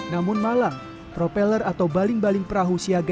namun malang propeller atau baling baling perahu siaga